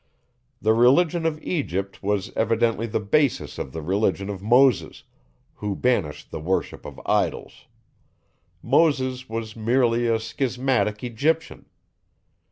The religion of Egypt was evidently the basis of the religion of Moses, who banished the worship of idols: Moses was merely a schismatic Egyptian.